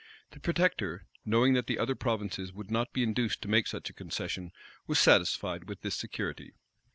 The protector, knowing that the other provinces would not be induced to make such a concession, was satisfied with this security.